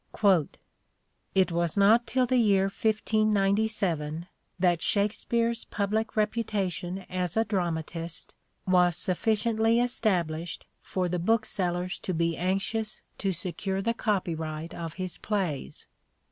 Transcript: " It was not till the year 1597 that Shakespeare's public reputation as a dramatist was sufficiently established for the booksellers to be anxious to secure the copyright of his plays."